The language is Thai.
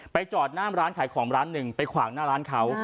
จอดหน้ามร้านขายของร้านหนึ่งไปขวางหน้าร้านเขา